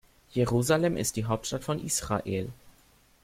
Jerusalem ist die Hauptstadt von Israel.